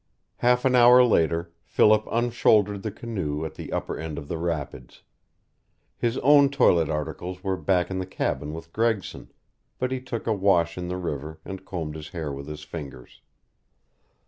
Half an hour later Philip unshouldered the canoe at the upper end of the rapids. His own toilet articles were back in the cabin with Gregson, but he took a wash in the river and combed his hair with his fingers.